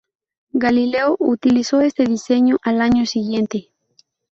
Galileo utilizó este diseño al año siguiente.